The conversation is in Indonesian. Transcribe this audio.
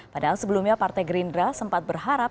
padahal sebelumnya partai gerindra sempat berharap